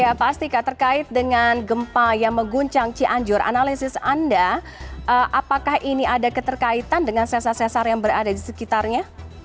ya pak astika terkait dengan gempa yang mengguncang cianjur analisis anda apakah ini ada keterkaitan dengan sesar sesar yang berada di sekitarnya